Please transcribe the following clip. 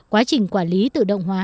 quá trình quản lý tự động hóa